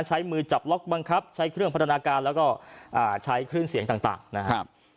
ใช้มือจับล็อกบังคับใช้เครื่องพัฒนาการแล้วก็ใช้คลื่นเสียงต่างนะครับ